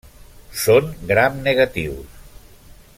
Són gramnegatius.